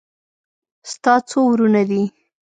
ستا څو ورونه دي